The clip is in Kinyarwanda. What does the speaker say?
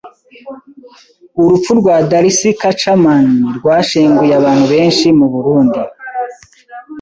Urupfu rwa Darcy Kacaman rwashenguye abantu benshi mu Burundi